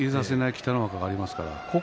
北の若でありますから。